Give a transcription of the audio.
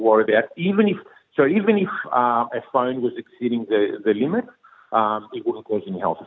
jadi kita meletakkan limitnya dengan konservatif